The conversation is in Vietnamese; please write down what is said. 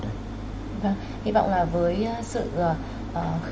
vâng hy vọng là với sự